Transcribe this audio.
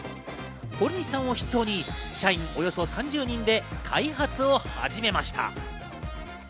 堀西さんを筆頭に社員およそ３０人で開発を始めました。